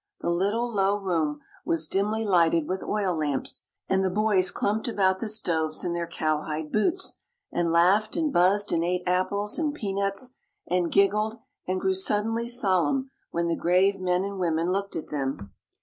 The little, low room was dimly lighted with oil lamps, and the boys clumped about the stoves in their cowhide boots, and laughed and buzzed and ate apples and peanuts and giggled, and grew suddenly solemn when the grave men and women looked at them.